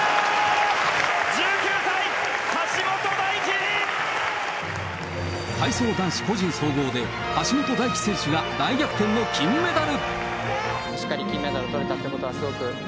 １９歳、体操男子個人総合で、橋本大輝選手が大逆転の金メダル。